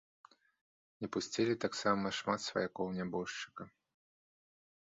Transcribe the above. Не пусцілі таксама шмат сваякоў нябожчыка.